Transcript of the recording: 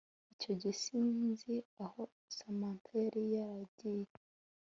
icyo gihe sinzi aho Samantha yari yaragiye